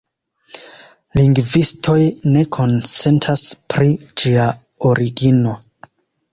Lingvistoj ne konsentas pri ĝia origino.